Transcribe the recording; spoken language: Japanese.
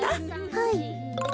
はい。